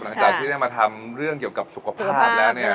หลังจากที่ได้มาทำเรื่องเกี่ยวกับสุขภาพแล้วเนี่ย